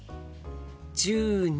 １２。